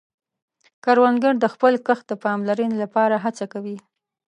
کروندګر د خپل کښت د پاملرنې له پاره هڅه کوي